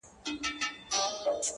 دا متل دی له پخوا د اولنیو.!